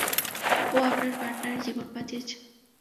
ও আপনার পার্টনারের জীবন বাঁচিয়েছে।